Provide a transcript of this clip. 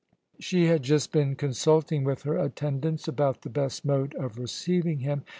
She had just been consulting with her attendants about the best mode of receiving him.